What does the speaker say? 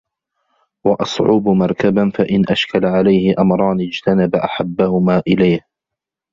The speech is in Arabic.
وَأَصْعُبُ مَرْكَبًا فَإِنْ أَشْكَلَ عَلَيْهِ أَمْرَانِ اجْتَنِبْ أَحَبَّهُمَا إلَيْهِ